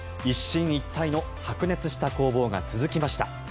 一進一退の白熱した攻防が続きました。